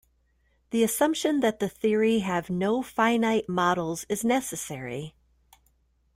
The assumption that the theory have no finite models is necessary.